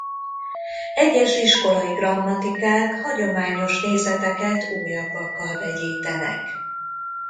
Egyes iskolai grammatikák hagyományos nézeteket újabbakkal vegyítenek.